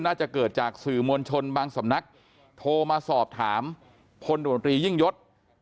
น่าจะเกิดจากสื่อมวลชนบางสำนักโทรมาสอบถามพลตรวจตรียิ่งยศ